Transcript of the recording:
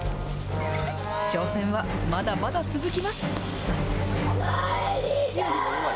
挑戦はまだまだ続きます。